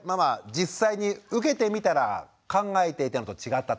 実際に受けてみたら考えていたのと違ったと。